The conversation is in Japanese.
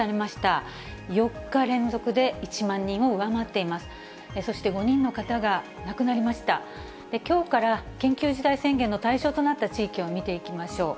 きょうから緊急事態宣言の対象となった地域を見ていきましょう。